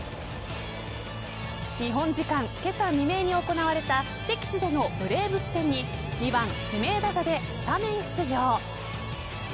日本時間けさ未明に行われた敵地でのブレーブス戦に２番指名打者でスタメン出場。